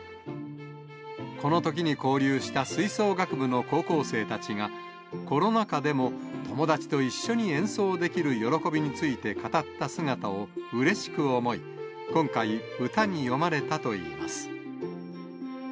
このときに交流した吹奏楽部の高校生たちが、コロナ禍でも、友達と一緒に演奏できる喜びについて、語った姿をうれしく思い、今回、歌に詠まれたといいます。